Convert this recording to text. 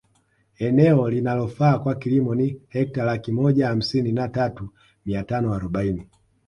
Eneo linalofaa kwa kilimo ni Hekta laki moja hamsini na tatu mia tano arobaini